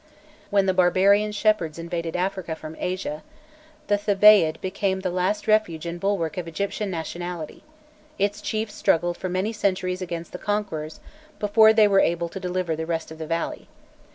When the barbarian shepherds invaded Africa from Asia, the Thebaïd became the last refuge and bulwark of Egyptian nationality; its chiefs struggled for many centuries against the conquerors before they were able to deliver the rest of the valley.